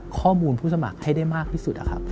ข้อมูลผู้สมัครให้ได้มากที่สุด